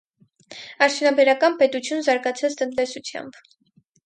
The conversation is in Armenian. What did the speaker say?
Արդյունաբերական պետություն զարգացած տնտեսությամբ։